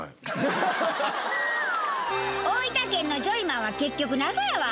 大分県のジョイマンは結局謎やわ。